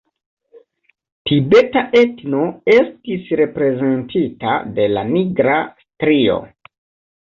Tibeta etno estis reprezentita de la nigra strio.